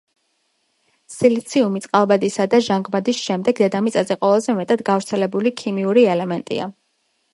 სილიციუმი წყალბადისა და ჟანგბადის შემდეგ, დედამიწაზე ყველაზე მეტად გავრცელებული ქიმიური ელემენტია.